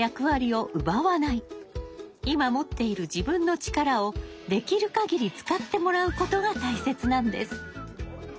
今持っている自分の力をできる限り使ってもらうことが大切なんです。